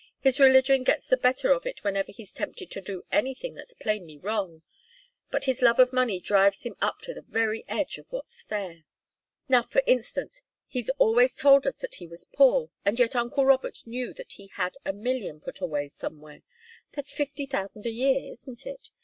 His religion gets the better of it whenever he's tempted to do anything that's plainly wrong. But his love of money drives him up to the very edge of what's fair. Now, for instance, he's always told us that he was poor, and yet uncle Robert knew that he had a million put away somewhere. That's fifty thousand a year, isn't it?